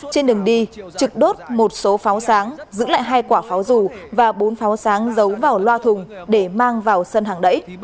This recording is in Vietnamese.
trên đường đi trực đốt một số pháo sáng giữ lại hai quả pháo rù và bốn pháo sáng giấu vào loa thùng để mang vào sân hàng đẩy